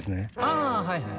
ああはいはい。